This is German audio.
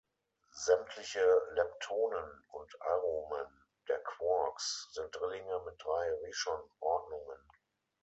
Sämtliche Leptonen und Aromen der Quarks sind Drillinge mit drei Rishon-Ordnungen.